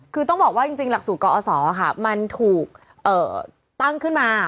คือต้องบอกว่าจริงหลักสูตรกอศมันถูกตั้งขึ้นมา